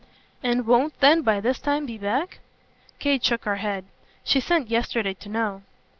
"And won't then by this time be back?" Kate shook her head. "She sent yesterday to know."